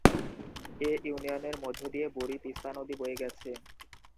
এ ইউনিয়নের মধ্যদিয়ে বুড়ি তিস্তা নদী বয়ে গেছে।